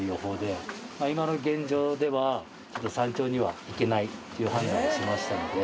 今の現状では山頂には行けないという判断をしましたんで。